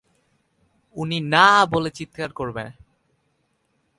উনি না বলে চিৎকার করবে!